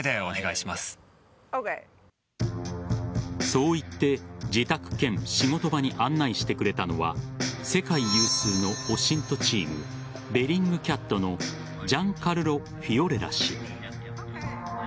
そう言って自宅兼仕事場に案内してくれたのは世界有数のＯＳＩＮＴチームベリングキャットのジャンカルロ・フィオレラ氏。